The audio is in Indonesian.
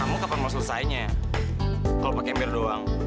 kamu kapan mau selesainya kalau pakai ember doang